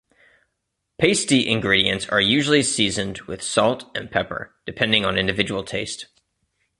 Pasty ingredients are usually seasoned with salt and pepper, depending on individual taste.